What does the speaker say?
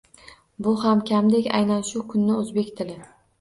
Bu ham kamdek, aynan shu kuni o‘zbek tili.